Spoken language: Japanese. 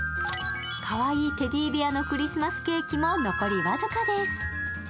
かわいいテディベアのクリスマスケーキも残り僅かです。